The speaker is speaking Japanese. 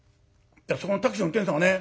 そこのタクシーの運転手さんがね